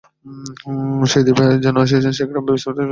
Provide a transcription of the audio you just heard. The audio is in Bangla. সেই দেবী যেন আসিয়াছেন, সেই গ্রামের বিস্মৃত অধিষ্ঠাত্রী দেবী বিশালাক্ষী।